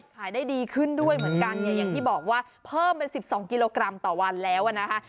ขายได้ดีขึ้นด้วยเหมือนกันเนี่ยอย่างที่บอกว่าเพิ่มเป็น๑๒กิโลกรัมต่อวันแล้วนะคะ